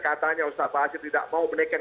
katanya ustaz fahasyid tidak mau menekan